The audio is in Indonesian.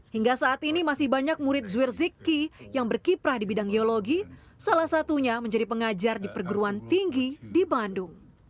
hingga saat ini masih banyak murid zwirziky yang berkiprah di bidang geologi salah satunya menjadi pengajar di perguruan tinggi di bandung